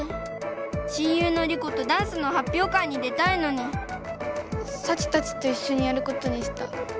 親友のリコとダンスのはっぴょう会に出たいのにサチたちといっしょにやることにした。